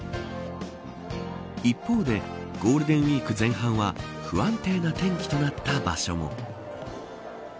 一方でゴールデンウイーク前半は不安定な天気となった場所も。